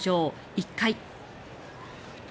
１回。